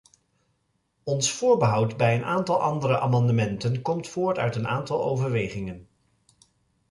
Ons voorbehoud bij een aantal andere amendementen komt voort uit een aantal overwegingen.